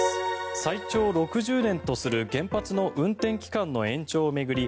最長６０年とする原発の運転期間の延長を巡り